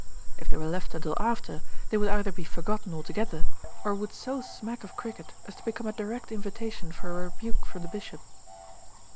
If they were left until after, they would either be forgotten altogether, or would so smack of cricket as to become a direct invitation for a rebuke from the bishop.